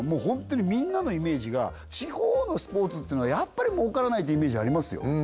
本当にみんなのイメージが地方のスポーツっていうのはやっぱり儲からないってイメージありますよ